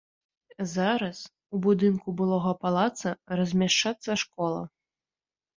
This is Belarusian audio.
Зараз у будынку былога палаца размяшчацца школа.